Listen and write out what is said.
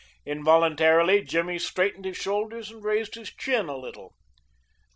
Involuntarily Jimmy straightened his shoulders and raised his chin a trifle.